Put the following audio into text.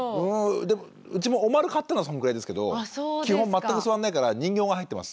でもうちもおまる買ったのはそのぐらいですけど基本全く座んないから人形が入ってます。